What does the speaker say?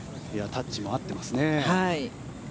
タッチも合ってますね。